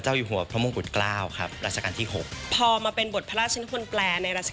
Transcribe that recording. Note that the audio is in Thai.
เกาะพระมงกุฎเกล้าครับราชกรรถี๖พอมาเป็นบทพระราชวนแปลในรักษณ์การ